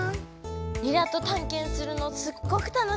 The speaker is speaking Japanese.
リラとたんけんするのすっごく楽しかったよ。